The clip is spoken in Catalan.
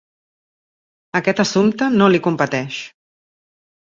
Aquest assumpte no li competeix.